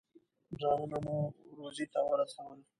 ځانونه مو روضې ته ورسول.